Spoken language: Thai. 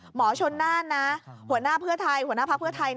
หมอชนน่านนะหัวหน้าเพื่อไทยหัวหน้าพักเพื่อไทย